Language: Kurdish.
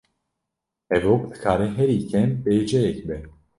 Hevok dikare herî kêm bêjeyek be